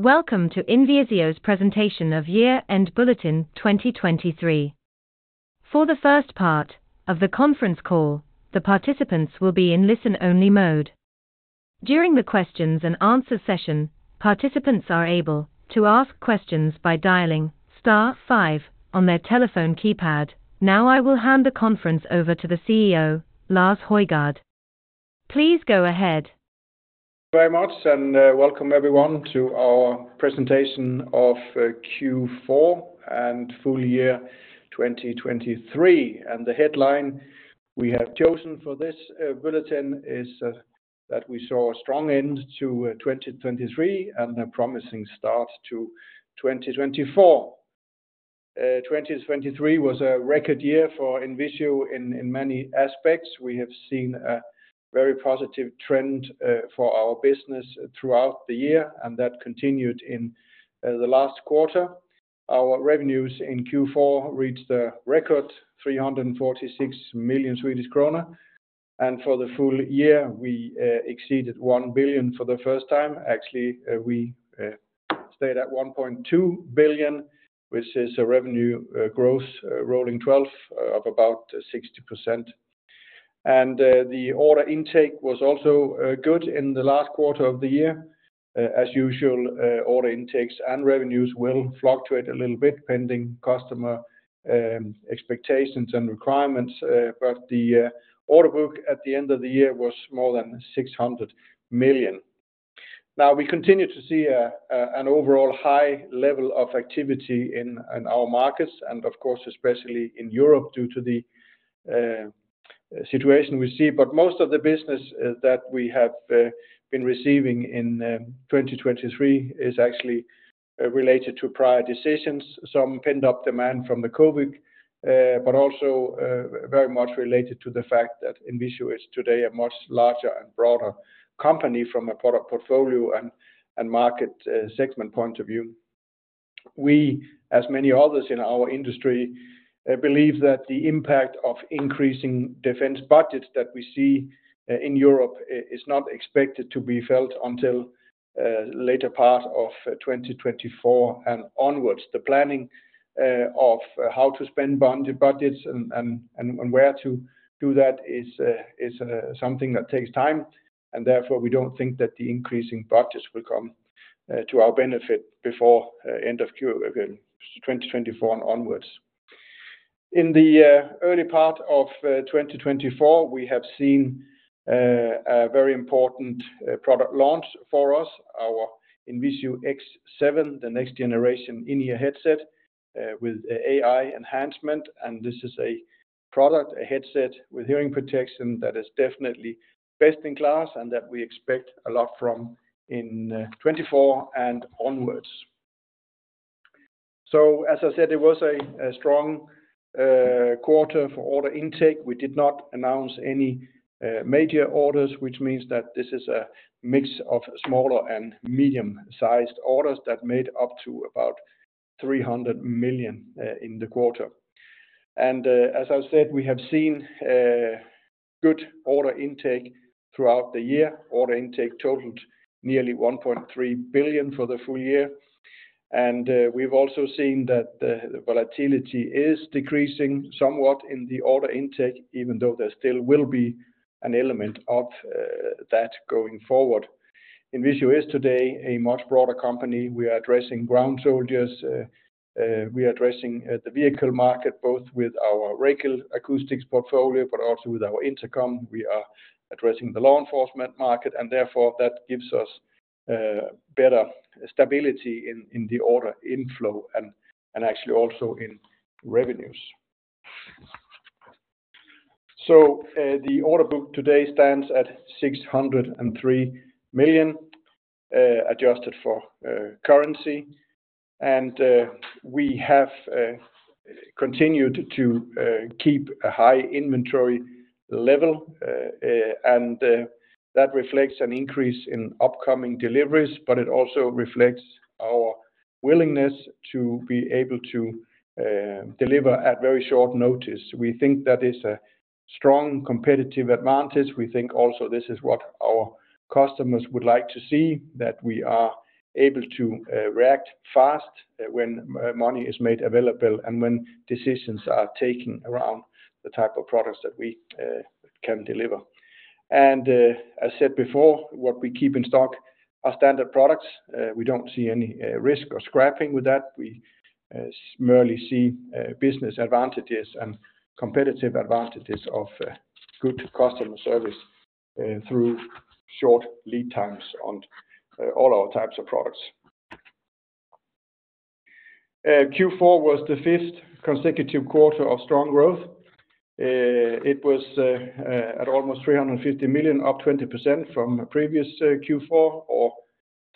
Welcome to INVISIO's Presentation of Year End Bulletin 2023. For the first part of the conference call, the participants will be in listen-only mode. During the questions and answers session, participants are able to ask questions by dialing star five on their telephone keypad. Now I will hand the conference over to the CEO, Lars Højgård. Please go ahead. Welcome very much and everyone to our Presentation of Q4 and Full Year 2023. The headline we have chosen for this bulletin is that we saw a strong end to 2023 and a promising start to 2024. 2023 was a record year for INVISIO in many aspects. We have seen a very positive trend for our business throughout the year, and that continued in the last quarter. Our revenues in Q4 reached a record 346 million Swedish kronor, and for the full year we exceeded 1 billion for the first time. Actually, we stood at 1.2 billion, which is a revenue growth rolling 12 of about 60%. The order intake was also good in the last quarter of the year. As usual, order intakes and revenues will fluctuate a little bit pending customer expectations and requirements, but the order book at the end of the year was more than 600 million. Now we continue to see an overall high level of activity in our markets, and of course especially in Europe due to the situation we see. But most of the business that we have been receiving in 2023 is actually related to prior decisions. Some pent-up demand from the COVID, but also very much related to the fact that INVISIO is today a much larger and broader company from a product portfolio and market segment point of view. We, as many others in our industry, believe that the impact of increasing defense budgets that we see in Europe is not expected to be felt until later part of 2024 and onwards. The planning of how to spend budgets and where to do that is something that takes time, and therefore we don't think that the increasing budgets will come to our benefit before end of 2024 and onwards. In the early part of 2024, we have seen a very important product launch for us, our INVISIO X7, the next generation in-ear headset with AI enhancement. And this is a product, a headset with hearing protection that is definitely best in class and that we expect a lot from in 2024 and onwards. So as I said, it was a strong quarter for order intake. We did not announce any major orders, which means that this is a mix of smaller and medium-sized orders that made up to about 300 million in the quarter. And as I said, we have seen good order intake throughout the year. Order intake totaled nearly 1.3 billion for the full year. We've also seen that the volatility is decreasing somewhat in the order intake, even though there still will be an element of that going forward. INVISIO is today a much broader company. We are addressing ground soldiers. We are addressing the vehicle market, both with our Racal Acoustics portfolio, but also with our intercom. We are addressing the law enforcement market, and therefore that gives us better stability in the order inflow and actually also in revenues. The order book today stands at 603 million adjusted for currency, and we have continued to keep a high inventory level. That reflects an increase in upcoming deliveries, but it also reflects our willingness to be able to deliver at very short notice. We think that is a strong competitive advantage. We think also this is what our customers would like to see, that we are able to react fast when money is made available and when decisions are taken around the type of products that we can deliver. As said before, what we keep in stock are standard products. We don't see any risk or scrapping with that. We merely see business advantages and competitive advantages of good customer service through short lead times on all our types of products. Q4 was the fifth consecutive quarter of strong growth. It was at almost 350 million, up 20% from previous Q4 or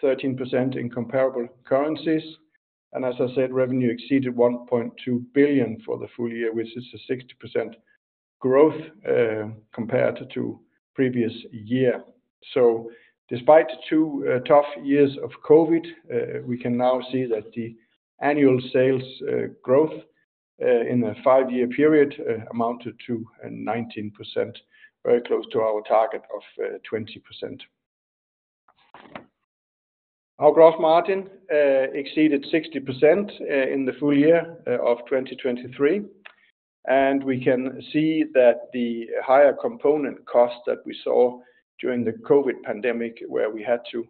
13% in comparable currencies. As I said, revenue exceeded 1.2 billion for the full year, which is a 60% growth compared to previous year. So despite two tough years of COVID, we can now see that the annual sales growth in a five-year period amounted to 19%, very close to our target of 20%. Our gross margin exceeded 60% in the full year of 2023. And we can see that the higher component costs that we saw during the COVID pandemic, where we had to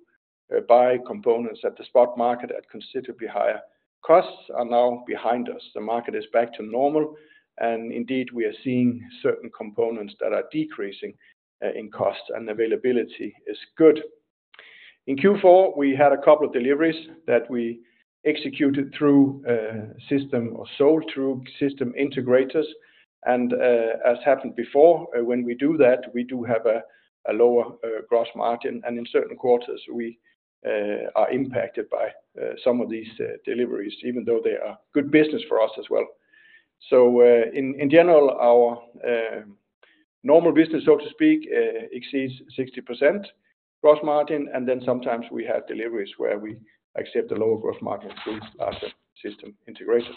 buy components at the spot market at considerably higher costs, are now behind us. The market is back to normal. And indeed, we are seeing certain components that are decreasing in costs and availability is good. In Q4, we had a couple of deliveries that we executed through system integrators or sold through system integrators. And as happened before, when we do that, we do have a lower gross margin. In certain quarters, we are impacted by some of these deliveries, even though they are good business for us as well. In general, our normal business, so to speak, exceeds 60% gross margin. Then sometimes we have deliveries where we accept a lower gross margin through larger system integrators.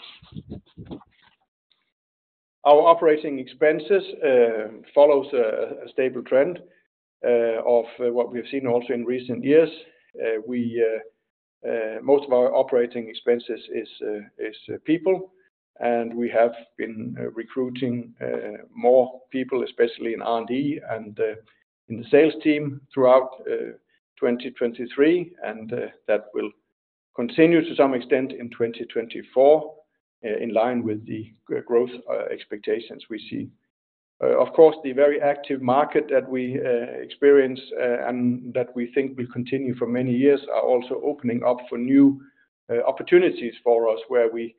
Our operating expenses follow a stable trend of what we have seen also in recent years. Most of our operating expenses is people, and we have been recruiting more people, especially in R&D and in the sales team throughout 2023. That will continue to some extent in 2024 in line with the growth expectations we see. Of course, the very active market that we experience and that we think will continue for many years are also opening up for new opportunities for us, where we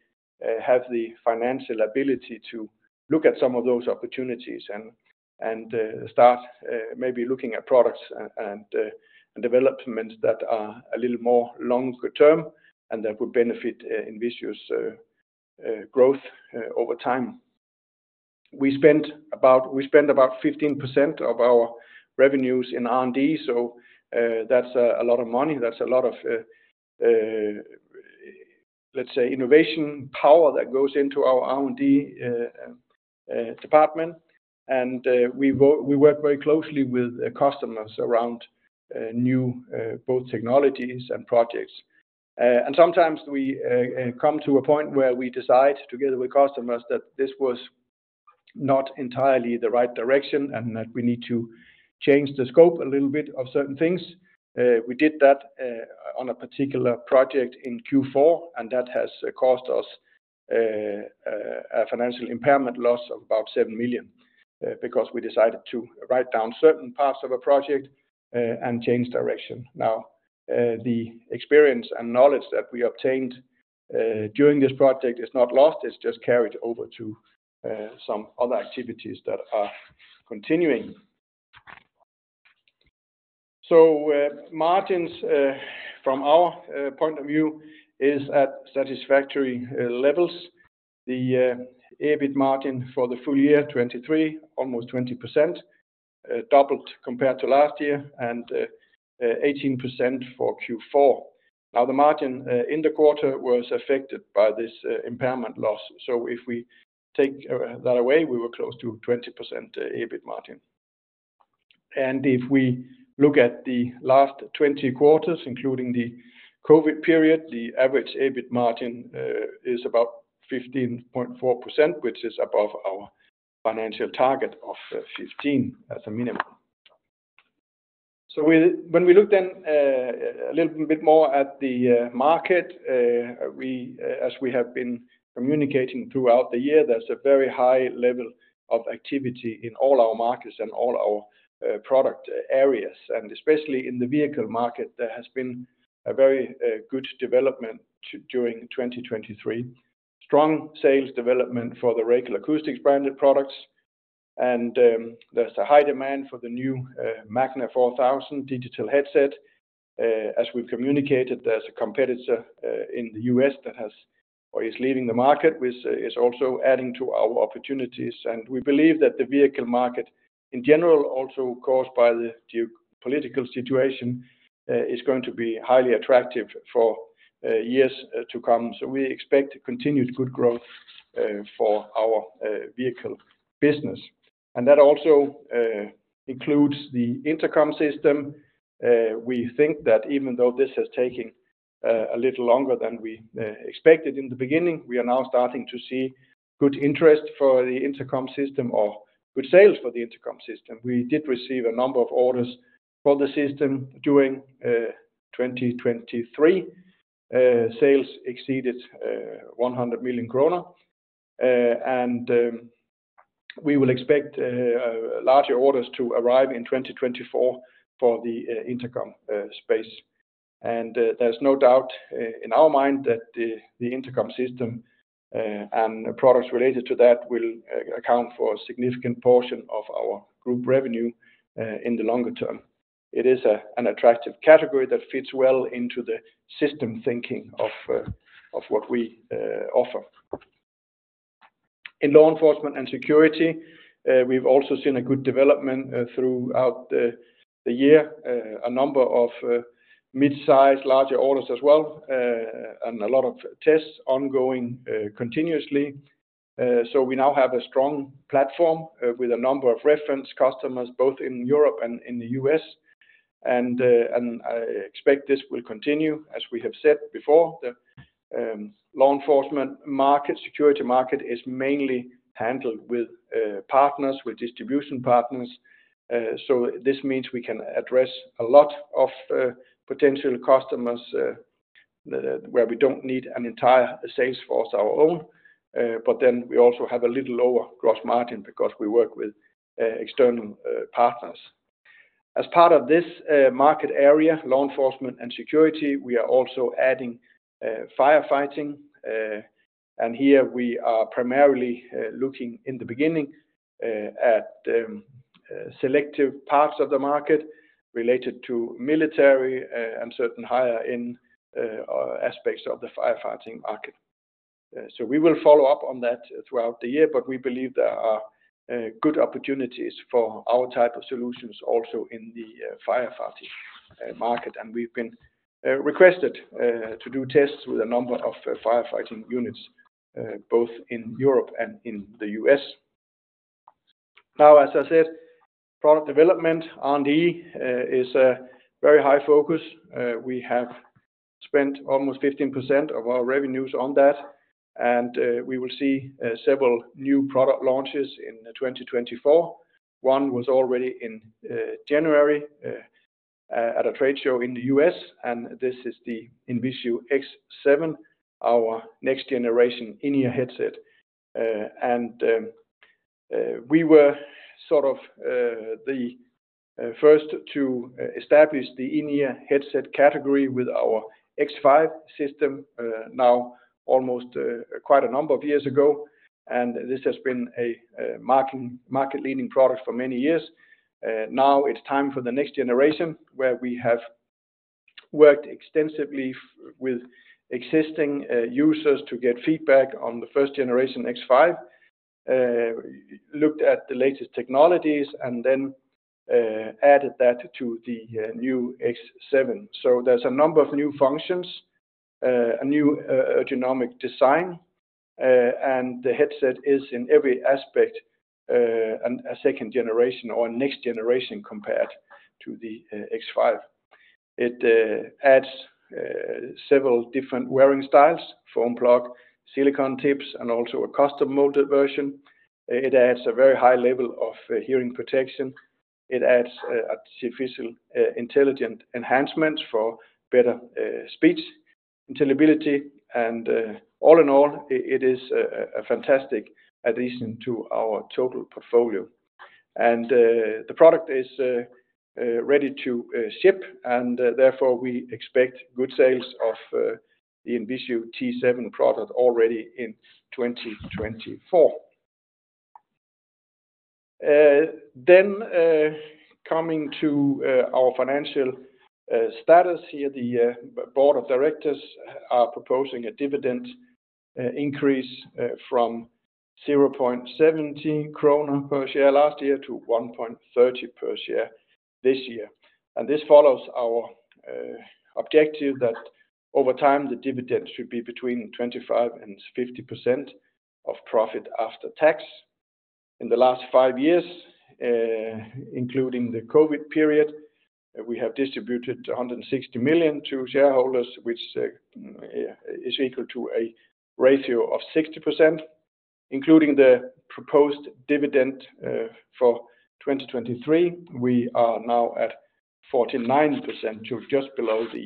have the financial ability to look at some of those opportunities and start maybe looking at products and developments that are a little more longer term and that would benefit INVISIO's growth over time. We spend about 15% of our revenues in R&D. So that's a lot of money. That's a lot of, let's say, innovation power that goes into our R&D department. And we work very closely with customers around new both technologies and projects. And sometimes we come to a point where we decide together with customers that this was not entirely the right direction and that we need to change the scope a little bit of certain things. We did that on a particular project in Q4, and that has caused us a financial impairment loss of about 7 million because we decided to write down certain parts of a project and change direction. Now, the experience and knowledge that we obtained during this project is not lost. It's just carried over to some other activities that are continuing. So margins, from our point of view, is at satisfactory levels. The EBIT margin for the full year 2023, almost 20%, doubled compared to last year and 18% for Q4. Now, the margin in the quarter was affected by this impairment loss. So if we take that away, we were close to 20% EBIT margin. And if we look at the last 20 quarters, including the COVID period, the average EBIT margin is about 15.4%, which is above our financial target of 15% as a minimum. So when we look then a little bit more at the market, as we have been communicating throughout the year, there's a very high level of activity in all our markets and all our product areas. Especially in the vehicle market, there has been a very good development during 2023, strong sales development for the Racal Acoustics branded products. There's a high demand for the new RA4000 Magna digital headset. As we've communicated, there's a competitor in the U.S. that is leaving the market, which is also adding to our opportunities. We believe that the vehicle market, in general, also caused by the geopolitical situation, is going to be highly attractive for years to come. So we expect continued good growth for our vehicle business. That also includes the intercom system. We think that even though this has taken a little longer than we expected in the beginning, we are now starting to see good interest for the intercom system or good sales for the intercom system. We did receive a number of orders for the system during 2023. Sales exceeded 100 million kronor. We will expect larger orders to arrive in 2024 for the intercom space. There's no doubt in our mind that the intercom system and products related to that will account for a significant portion of our group revenue in the longer term. It is an attractive category that fits well into the system thinking of what we offer. In law enforcement and security, we've also seen a good development throughout the year, a number of mid-size, larger orders as well, and a lot of tests ongoing continuously. So we now have a strong platform with a number of reference customers, both in Europe and in the U.S. And I expect this will continue. As we have said before, the law enforcement market, security market is mainly handled with partners, with distribution partners. So this means we can address a lot of potential customers where we don't need an entire sales force our own. But then we also have a little lower gross margin because we work with external partners. As part of this market area, law enforcement and security, we are also adding firefighting. And here we are primarily looking, in the beginning, at selective parts of the market related to military and certain higher-end aspects of the firefighting market. So we will follow up on that throughout the year, but we believe there are good opportunities for our type of solutions also in the firefighting market. We've been requested to do tests with a number of firefighting units, both in Europe and in the U.S. Now, as I said, product development, R&D is a very high focus. We have spent almost 15% of our revenues on that. We will see several new product launches in 2024. One was already in January at a trade show in the U.S. This is the INVISIO X7, our next generation in-ear headset. We were sort of the first to establish the in-ear headset category with our X5 system now almost quite a number of years ago. This has been a market-leading product for many years. Now it's time for the next generation, where we have worked extensively with existing users to get feedback on the first generation X5, looked at the latest technologies, and then added that to the new X7. So there's a number of new functions, a new ergonomic design, and the headset is, in every aspect, a second generation or a next generation compared to the X5. It adds several different wearing styles: foam plug, silicone tips, and also a custom-molded version. It adds a very high level of hearing protection. It adds artificial intelligence enhancements for better speech intelligibility. All in all, it is a fantastic addition to our total portfolio. The product is ready to ship. Therefore, we expect good sales of the INVISIO X7 product already in 2024. Coming to our financial status here, the board of directors are proposing a dividend increase from 0.70 krona per share last year to 1.30 per share this year. This follows our objective that over time, the dividend should be between 25% and 50% of profit after tax. In the last five years, including the COVID period, we have distributed 160 million to shareholders, which is equal to a ratio of 60%. Including the proposed dividend for 2023, we are now at 49%, just below the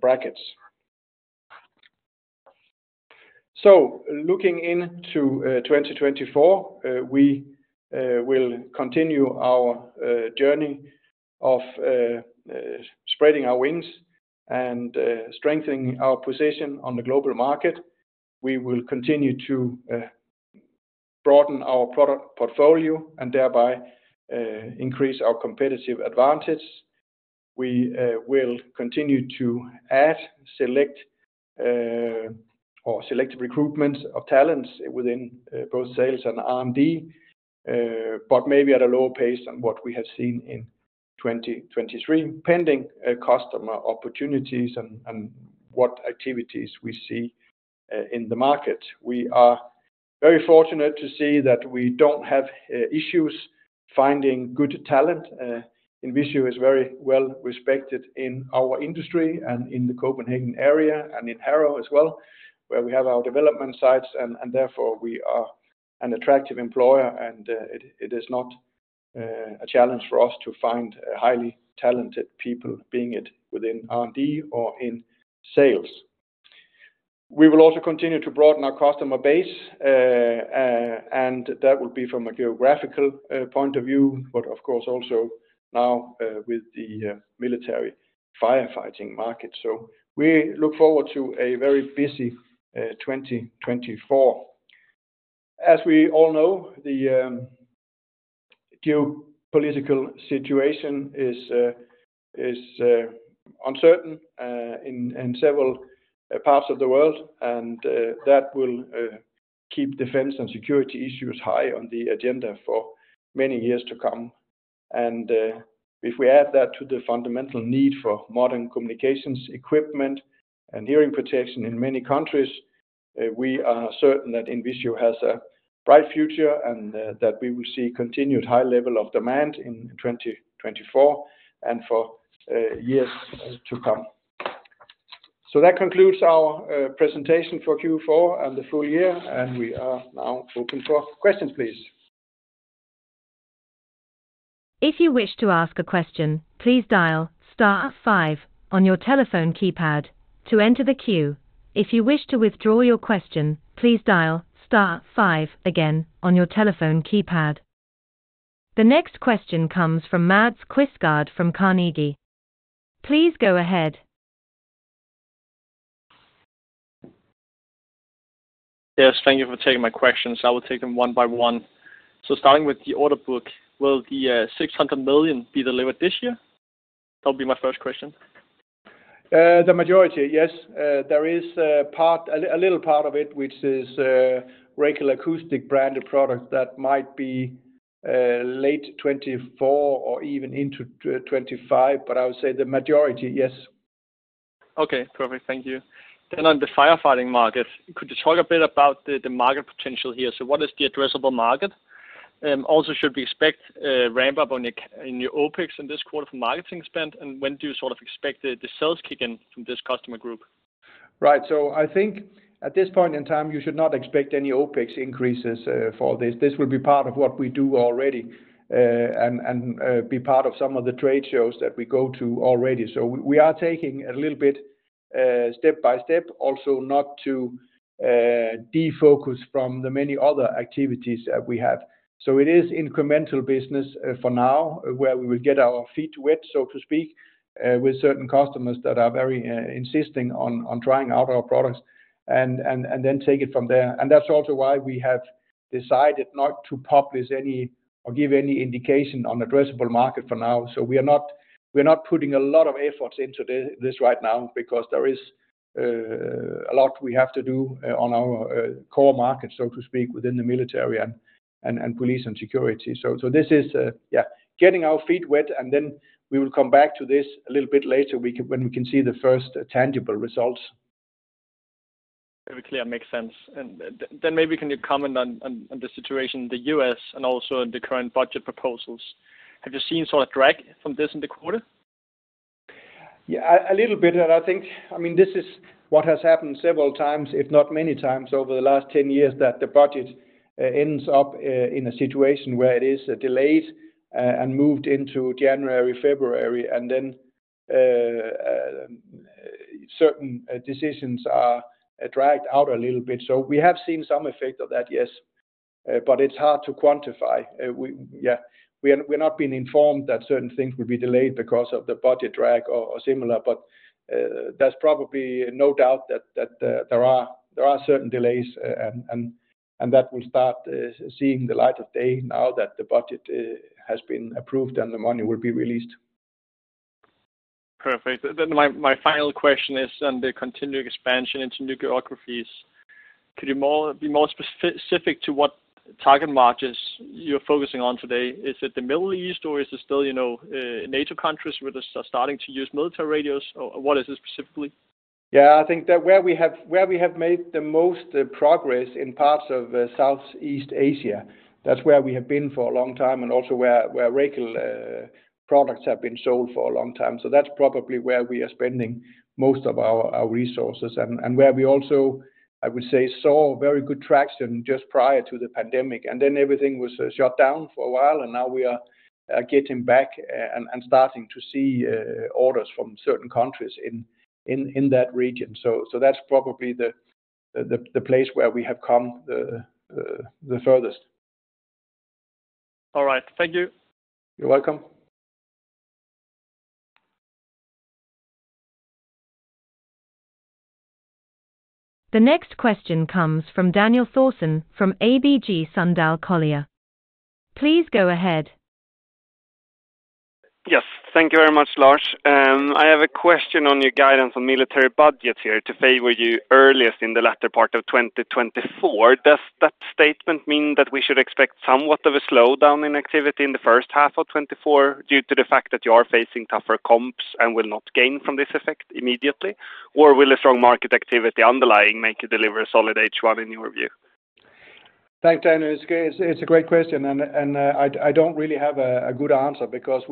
brackets. Looking into 2024, we will continue our journey of spreading our wings and strengthening our position on the global market. We will continue to broaden our product portfolio and thereby increase our competitive advantage. We will continue to add select or selective recruitments of talents within both sales and R&D, but maybe at a lower pace than what we have seen in 2023, pending customer opportunities and what activities we see in the market. We are very fortunate to see that we don't have issues finding good talent. INVISIO is very well respected in our industry and in the Copenhagen area and in Harrow as well, where we have our development sites. Therefore, we are an attractive employer. It is not a challenge for us to find highly talented people, being it within R&D or in sales. We will also continue to broaden our customer base. That will be from a geographical point of view, but of course also now with the military firefighting market. We look forward to a very busy 2024. As we all know, the geopolitical situation is uncertain in several parts of the world. That will keep defense and security issues high on the agenda for many years to come. If we add that to the fundamental need for modern communications equipment and hearing protection in many countries, we are certain that INVISIO has a bright future and that we will see continued high level of demand in 2024 and for years to come. That concludes our presentation for Q4 and the full year. We are now open for questions, please. If you wish to ask a question, please dial star five on your telephone keypad to enter the queue. If you wish to withdraw your question, please dial star five again on your telephone keypad. The next question comes from Mads Quistgaard from Carnegie. Please go ahead. Yes. Thank you for taking my questions. I will take them one by one. So starting with the order book, will the 600 million be delivered this year? That would be my first question. The majority, yes. There is a little part of it, which is Racal Acoustics branded product that might be late 2024 or even into 2025. But I would say the majority, yes. Okay. Perfect. Thank you. Then on the firefighting market, could you talk a bit about the market potential here? So what is the addressable market? Also, should we expect a ramp-up in your OPEX in this quarter for marketing spend? And when do you sort of expect the sales kick-in from this customer group? Right. So I think at this point in time, you should not expect any OpEx increases for this. This will be part of what we do already and be part of some of the trade shows that we go to already. So we are taking a little bit step by step, also not to defocus from the many other activities that we have. So it is incremental business for now where we will get our feet wet, so to speak, with certain customers that are very insisting on trying out our products and then take it from there. And that's also why we have decided not to publish any or give any indication on addressable market for now. We are not putting a lot of efforts into this right now because there is a lot we have to do on our core market, so to speak, within the military and police and security. This is, yeah, getting our feet wet. Then we will come back to this a little bit later when we can see the first tangible results. Very clear. Makes sense. And then maybe can you comment on the situation in the U.S. and also the current budget proposals? Have you seen sort of drag from this in the quarter? Yeah, a little bit. I think, I mean, this is what has happened several times, if not many times, over the last 10 years that the budget ends up in a situation where it is delayed and moved into January, February, and then certain decisions are dragged out a little bit. So we have seen some effect of that, yes. But it's hard to quantify. Yeah, we're not being informed that certain things will be delayed because of the budget drag or similar. But there's probably no doubt that there are certain delays. And that will start seeing the light of day now that the budget has been approved and the money will be released. Perfect. Then my final question is on the continuing expansion into new geographies. Could you be more specific to what target margins you're focusing on today? Is it the Middle East, or is it still NATO countries that are starting to use military radios, or what is it specifically? Yeah, I think that where we have made the most progress in parts of Southeast Asia, that's where we have been for a long time and also where Racal products have been sold for a long time. So that's probably where we are spending most of our resources and where we also, I would say, saw very good traction just prior to the pandemic. And then everything was shut down for a while. And now we are getting back and starting to see orders from certain countries in that region. So that's probably the place where we have come the furthest. All right. Thank you. You're welcome. The next question comes from Daniel Thorsson from ABG Sundal Collier. Please go ahead. Yes. Thank you very much, Lars. I have a question on your guidance on military budgets here to favor you earliest in the latter part of 2024. Does that statement mean that we should expect somewhat of a slowdown in activity in the first half of 2024 due to the fact that you are facing tougher comps and will not gain from this effect immediately? Or will a strong market activity underlying make you deliver a solid H1 in your view? Thanks, Daniel. It's a great question. And I don't really have a good answer because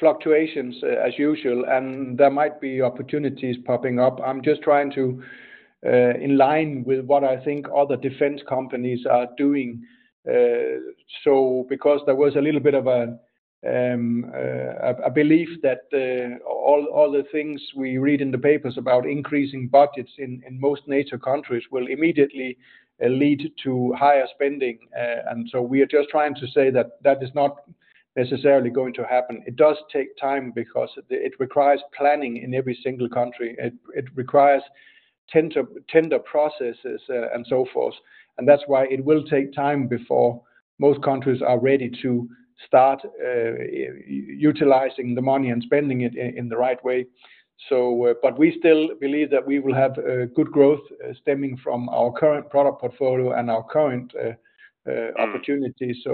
fluctuations, as usual, and there might be opportunities popping up. I'm just trying to align with what I think other defense companies are doing. So because there was a little bit of a belief that all the things we read in the papers about increasing budgets in most NATO countries will immediately lead to higher spending. And so we are just trying to say that that is not necessarily going to happen. It does take time because it requires planning in every single country. It requires tender processes and so forth. And that's why it will take time before most countries are ready to start utilizing the money and spending it in the right way. We still believe that we will have good growth stemming from our current product portfolio and our current opportunities.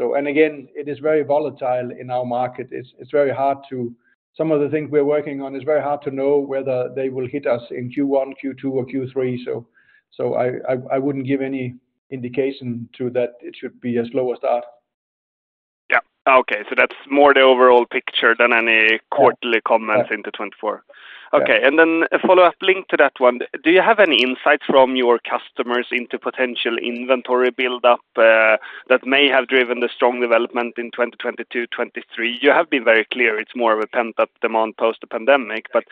Again, it is very volatile in our market. It's very hard to some of the things we're working on, it's very hard to know whether they will hit us in Q1, Q2, or Q3. I wouldn't give any indication to that it should be a slower start. Yeah. Okay. So that's more the overall picture than any quarterly comments into 2024. Okay. And then a follow-up link to that one. Do you have any insights from your customers into potential inventory buildup that may have driven the strong development in 2022/2023? You have been very clear. It's more of a pent-up demand post-pandemic, but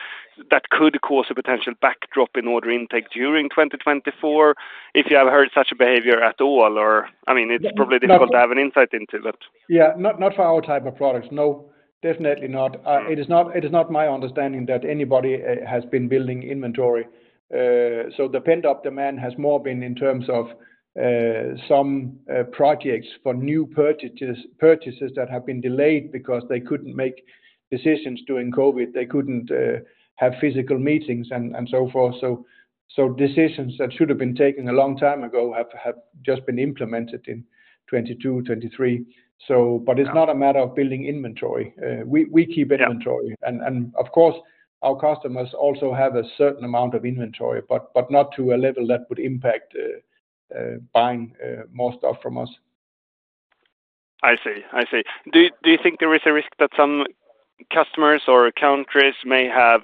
that could cause a potential backdrop in order intake during 2024 if you have heard such a behavior at all, or I mean, it's probably difficult to have an insight into, but. Yeah, not for our type of products. No, definitely not. It is not my understanding that anybody has been building inventory. So the pent-up demand has more been in terms of some projects for new purchases that have been delayed because they couldn't make decisions during COVID. They couldn't have physical meetings and so forth. So decisions that should have been taken a long time ago have just been implemented in 2022/2023. But it's not a matter of building inventory. We keep inventory. And of course, our customers also have a certain amount of inventory, but not to a level that would impact buying more stuff from us. I see. I see. Do you think there is a risk that some customers or countries may have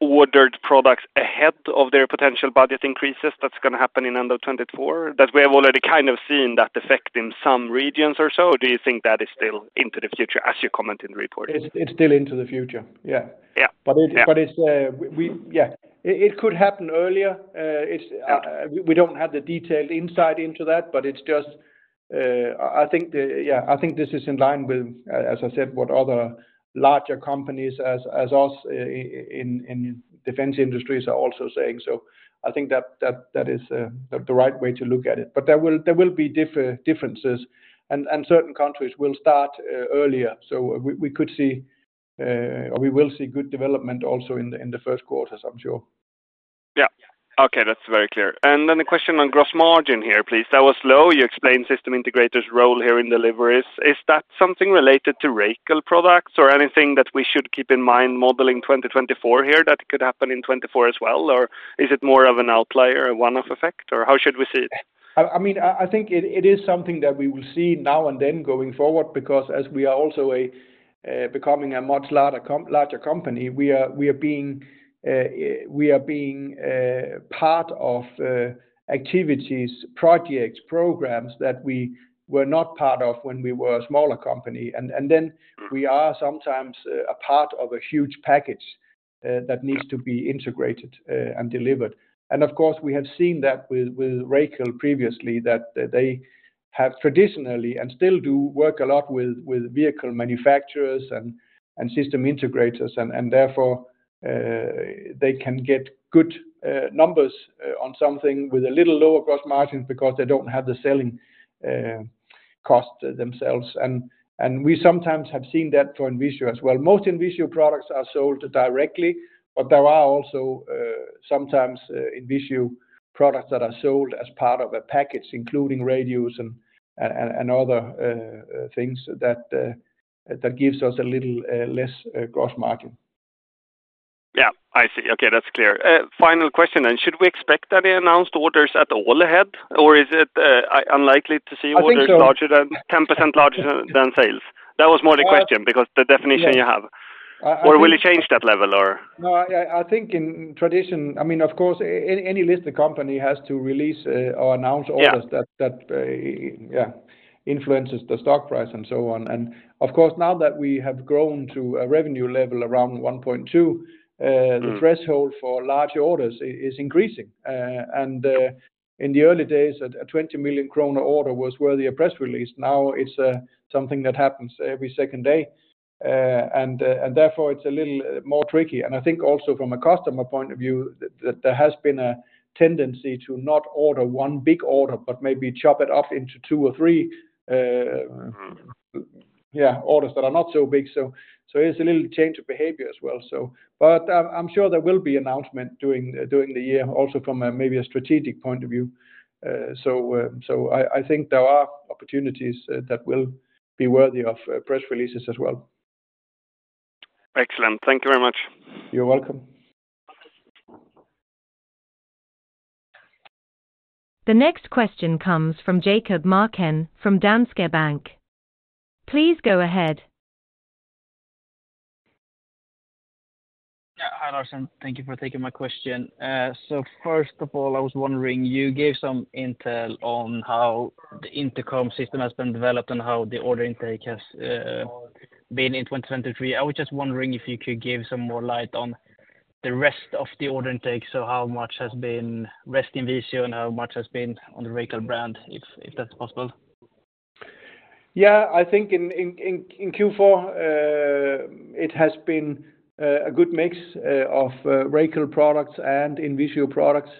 ordered products ahead of their potential budget increases that's going to happen in the end of 2024, that we have already kind of seen that effect in some regions or so? Do you think that is still into the future as you comment in the report? It's still into the future. Yeah. But yeah, it could happen earlier. We don't have the detailed insight into that, but it's just I think this is in line with, as I said, what other larger companies as us in defense industries are also saying. So I think that is the right way to look at it. But there will be differences, and certain countries will start earlier. So we could see or we will see good development also in the first quarters, I'm sure. Yeah. Okay. That's very clear. Then the question on gross margin here, please. That was low. You explained system integrators' role here in deliveries. Is that something related to Racal products or anything that we should keep in mind modeling 2024 here that could happen in 2024 as well, or is it more of an outlier, a one-off effect, or how should we see it? I mean, I think it is something that we will see now and then going forward because as we are also becoming a much larger company, we are being part of activities, projects, programs that we were not part of when we were a smaller company. And then we are sometimes a part of a huge package that needs to be integrated and delivered. And of course, we have seen that with Racal previously, that they have traditionally and still do work a lot with vehicle manufacturers and system integrators. And therefore, they can get good numbers on something with a little lower gross margins because they don't have the selling cost themselves. And we sometimes have seen that for INVISIO as well. Most INVISIO products are sold directly, but there are also sometimes INVISIO products that are sold as part of a package, including radios and other things that gives us a little less gross margin. Yeah. I see. Okay. That's clear. Final question. Should we expect that they announced orders at all ahead, or is it unlikely to see orders larger than 10% larger than sales? That was more the question because the definition you have. Or will it change that level, or? No, I think in tradition, I mean, of course, any listed company has to release or announce orders that influences the stock price and so on. Of course, now that we have grown to a revenue level around 1.2 billion, the threshold for large orders is increasing. In the early days, a 20 million kronor order was worthy of press release. Now it's something that happens every second day. Therefore, it's a little more tricky. I think also from a customer point of view, there has been a tendency to not order one big order, but maybe chop it up into two or three, yeah, orders that are not so big. So it's a little change of behavior as well. But I'm sure there will be announcement during the year also from maybe a strategic point of view. I think there are opportunities that will be worthy of press releases as well. Excellent. Thank you very much. You're welcome. The next question comes from Jakob Marken from Danske Bank. Please go ahead. Yeah. Hi, Lars Hansen. Thank you for taking my question. So first of all, I was wondering, you gave some intel on how the intercom system has been developed and how the order intake has been in 2023. I was just wondering if you could give some more light on the rest of the order intake. So how much has been rest INVISIO and how much has been on the Racal brand, if that's possible? Yeah. I think in Q4, it has been a good mix of Racal products and INVISIO products,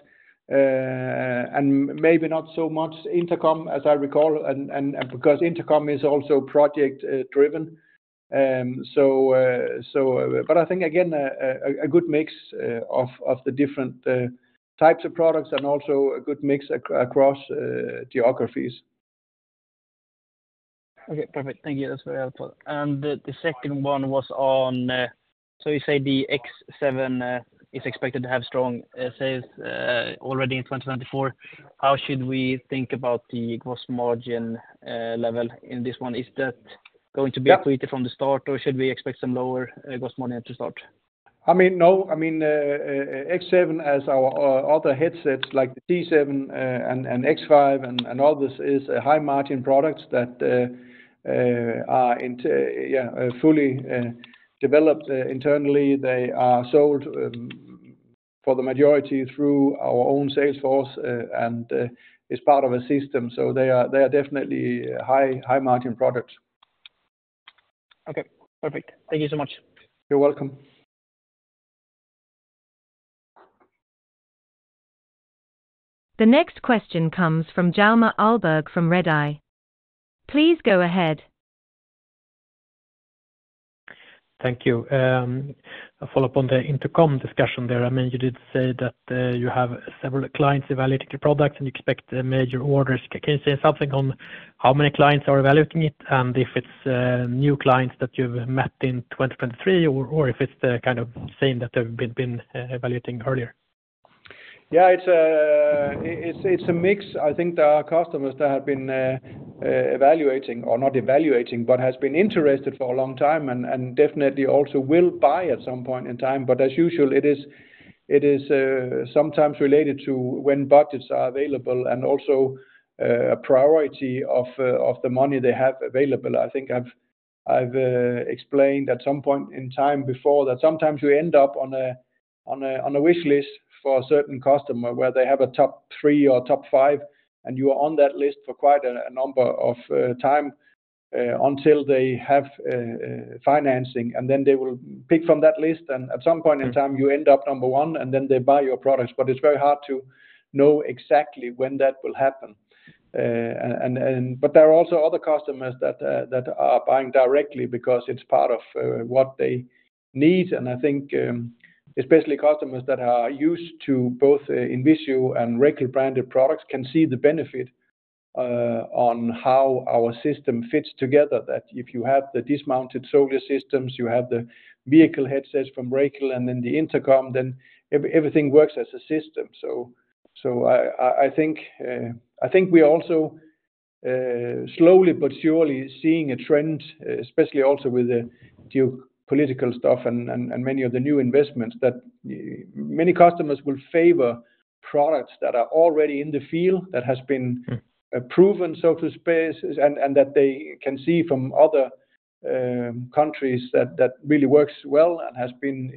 and maybe not so much intercom as I recall, because intercom is also project-driven. But I think, again, a good mix of the different types of products and also a good mix across geographies. Okay. Perfect. Thank you. That's very helpful. And the second one was on so you say the X7 is expected to have strong sales already in 2024. How should we think about the gross margin level in this one? Is that going to be a higher from the start, or should we expect some lower gross margin at the start? I mean, no. I mean, X7, as our other headsets like the T7 and X5 and all this is high-margin products that are, yeah, fully developed internally. They are sold for the majority through our own sales force and is part of a system. So they are definitely high-margin products. Okay. Perfect. Thank you so much. You're welcome. The next question comes from Hjalmar Ahlberg from Redeye. Please go ahead. Thank you. A follow-up on the intercom discussion there. I mean, you did say that you have several clients evaluating the product, and you expect major orders. Can you say something on how many clients are evaluating it and if it's new clients that you've met in 2023 or if it's the kind of same that they've been evaluating earlier? Yeah, it's a mix. I think there are customers that have been evaluating or not evaluating, but have been interested for a long time and definitely also will buy at some point in time. But as usual, it is sometimes related to when budgets are available and also a priority of the money they have available. I think I've explained at some point in time before that sometimes you end up on a wishlist for a certain customer where they have a top three or top five, and you are on that list for quite a number of time until they have financing. And then they will pick from that list. And at some point in time, you end up number one, and then they buy your products. But it's very hard to know exactly when that will happen. But there are also other customers that are buying directly because it's part of what they need. And I think especially customers that are used to both INVISIO and Racal-branded products can see the benefit on how our system fits together, that if you have the dismounted soldier systems, you have the vehicle headsets from Racal, and then the intercom, then everything works as a system. So I think we are also slowly but surely seeing a trend, especially also with the geopolitical stuff and many of the new investments, that many customers will favor products that are already in the field, that has been proven, so to speak, and that they can see from other countries that really works well and has been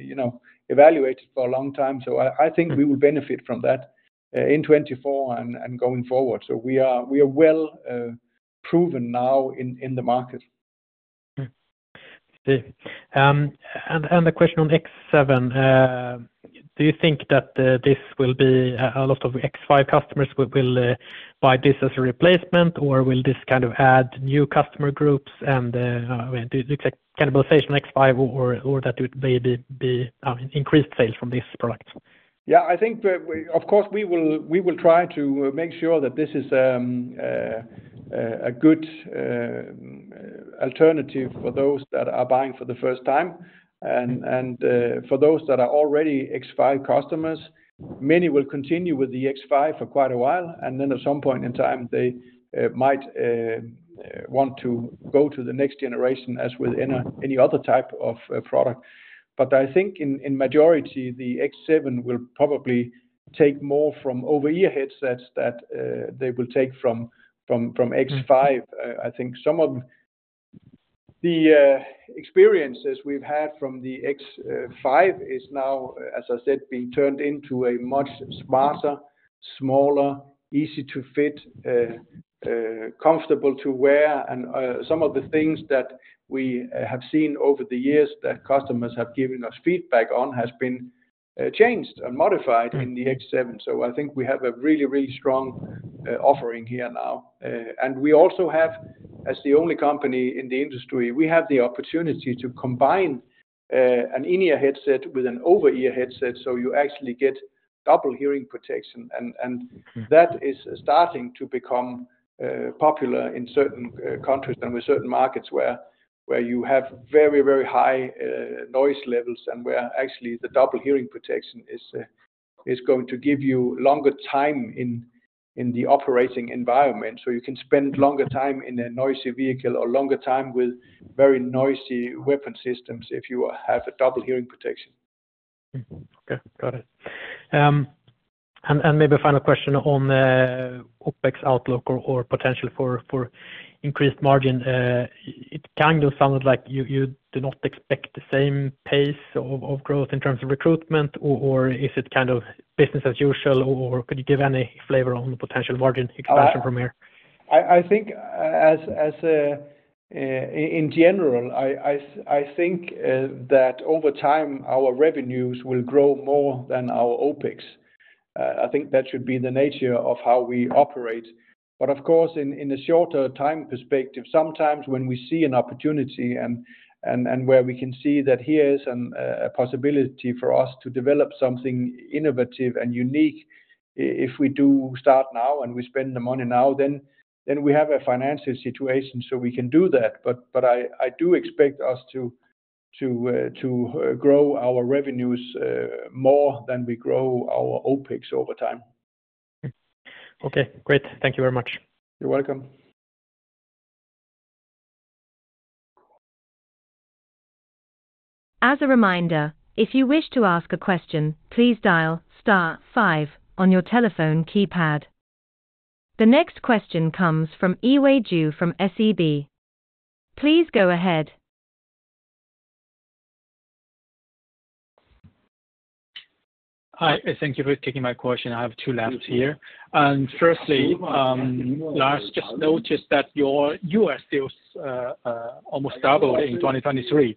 evaluated for a long time. So I think we will benefit from that in 2024 and going forward. We are well proven now in the market. I see. And the question on X7. Do you think that this will be a lot of X5 customers will buy this as a replacement, or will this kind of add new customer groups and cannibalization X5 or that there may be increased sales from this product? Yeah. Of course, we will try to make sure that this is a good alternative for those that are buying for the first time. And for those that are already X5 customers, many will continue with the X5 for quite a while. And then at some point in time, they might want to go to the next generation as with any other type of product. But I think in majority, the X7 will probably take more from over-ear headsets that they will take from X5, I think some of them. The experiences we've had from the X5 is now, as I said, being turned into a much smarter, smaller, easy to fit, comfortable to wear. And some of the things that we have seen over the years that customers have given us feedback on has been changed and modified in the X7. So I think we have a really, really strong offering here now. And we also have, as the only company in the industry, we have the opportunity to combine an in-ear headset with an over-ear headset. So you actually get double hearing protection. And that is starting to become popular in certain countries and with certain markets where you have very, very high noise levels and where actually the double hearing protection is going to give you longer time in the operating environment. So you can spend longer time in a noisy vehicle or longer time with very noisy weapon systems if you have a double hearing protection. Okay. Got it. Maybe a final question on OpEx outlook or potential for increased margin. It kind of sounded like you do not expect the same pace of growth in terms of recruitment, or is it kind of business as usual, or could you give any flavor on the potential margin expansion from here? I think in general, I think that over time, our revenues will grow more than our OpEx. I think that should be the nature of how we operate. But of course, in a shorter time perspective, sometimes when we see an opportunity and where we can see that here is a possibility for us to develop something innovative and unique, if we do start now and we spend the money now, then we have a financial situation. So we can do that. But I do expect us to grow our revenues more than we grow our OpEx over time. Okay. Great. Thank you very much. You're welcome. As a reminder, if you wish to ask a question, please dial star five on your telephone keypad. The next question comes from Yiwei Zhou from SEB. Please go ahead. Hi. Thank you for taking my question. I have two questions here. Firstly, Lars, just noticed that your U.S. sales almost doubled in 2023.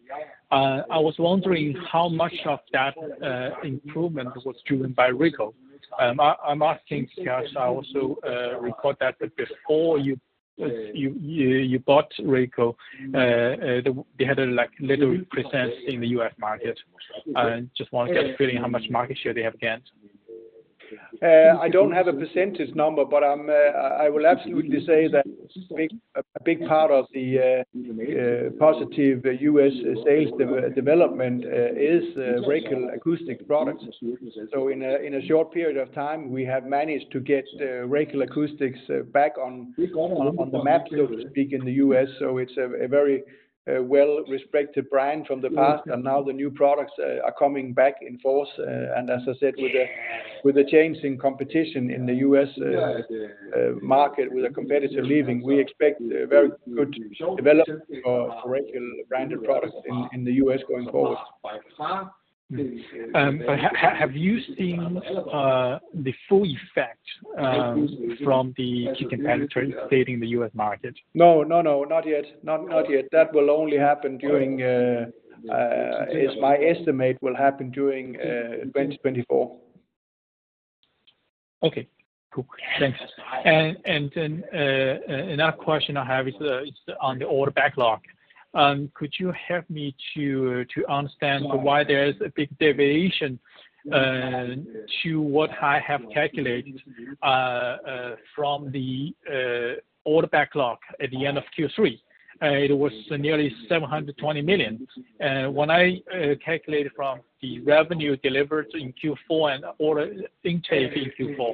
I was wondering how much of that improvement was driven by Racal. I'm asking because I also recall that before you bought Racal, they had a little presence in the U.S. market. I just want to get a feeling how much market share they have gained. I don't have a percentage number, but I will absolutely say that a big part of the positive U.S. sales development is Racal Acoustics products. So in a short period of time, we have managed to get Racal Acoustics back on the map, so to speak, in the U.S. So it's a very well-respected brand from the past. And now the new products are coming back in force. And as I said, with the change in competition in the U.S. market, with the competitors leaving, we expect very good development for Racal-branded products in the U.S. going forward. Have you seen the full effect from the key competitors staying in the U.S. market? No, no, no. Not yet. Not yet. That will only happen during. It's my estimate will happen during 2024. Okay. Cool. Thanks. And then another question I have is on the order backlog. Could you help me to understand why there is a big deviation to what I have calculated from the order backlog at the end of Q3? It was nearly 720 million. And when I calculated from the revenue delivered in Q4 and order intake in Q4,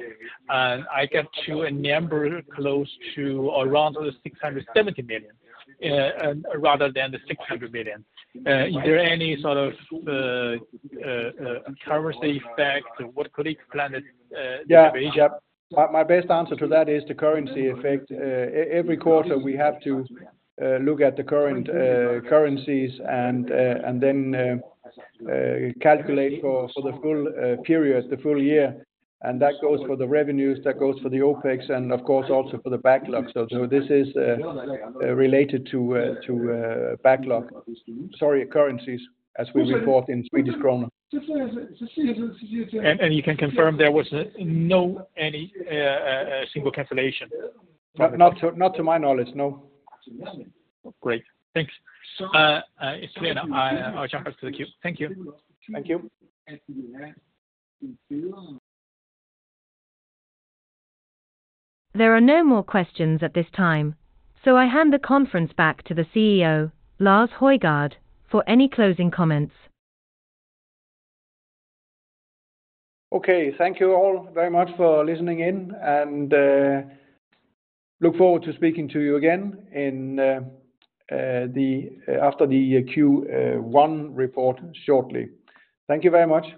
I got to a number close to around 670 million rather than the 600 million. Is there any sort of currency effect? What could explain the deviation? Yeah. Yeah. My best answer to that is the currency effect. Every quarter, we have to look at the current currencies and then calculate for the full period, the full year. And that goes for the revenues. That goes for the OpEx and, of course, also for the backlog. So this is related to backlog. Sorry, currencies, as we report in Swedish kronor. You can confirm there was no single cancellation? Not to my knowledge. No. Great. Thanks. It's clear. I'll jump back to the queue. Thank you. Thank you. There are no more questions at this time, so I hand the conference back to the CEO, Lars Højgård, for any closing comments. Okay. Thank you all very much for listening in, and look forward to speaking to you again after the Q1 report shortly. Thank you very much.